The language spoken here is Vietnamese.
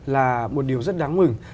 là một điều rất đáng mừng